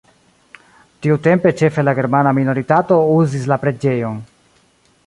Tiutempe ĉefe la germana minoritato uzis la preĝejon.